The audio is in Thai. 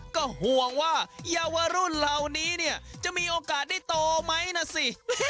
ก็ห่วงว่าเยาวรุ่นเหล่านี้เนี่ยจะมีโอกาสได้โตไหมนะสิ